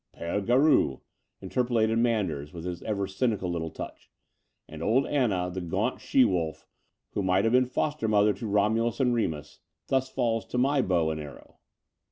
"P6re Garou," interpolated Manders, with his ever cynical little touch. "And old Anna, the gatmt she wolf, who might have been foster mother to Romulus and Remus, thus falls to my bow and arrow?"